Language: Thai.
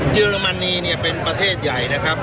เยอรมนีเนี่ยเป็นประเทศใหญ่นะครับ